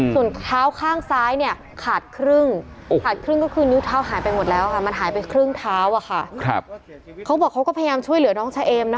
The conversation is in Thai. ส่วนข้าวซ้ายเนี่ยขาดครึ่ง